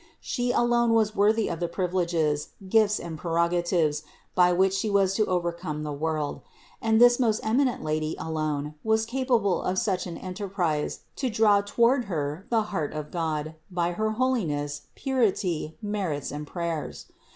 She alone was worthy of the privileges, gifts and prerogatives by which She was to overcome the world ; and this most eminent Lady alone was capable of such an enterprise as to draw toward Her the heart of God by her holiness, purity, merits and THE INCARNATION 293 prayers.